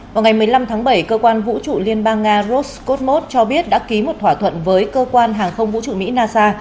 vào ngày một mươi năm tháng bảy cơ quan vũ trụ liên bang nga roscosmos cho biết đã ký một thỏa thuận với cơ quan hàng không vũ trụ mỹ nasa